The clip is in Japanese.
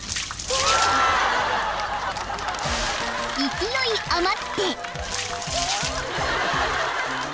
［勢い余って］